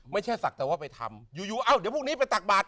ไม่ใช่สักแต่ว่าไปทำอยู่เอ้าเดี๋ยวพวกนี้ไปตักบาท